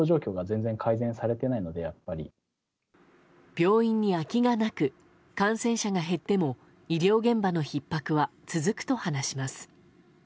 病院に空きがなく感染者が減っても医療現場のひっ迫は続くと話します。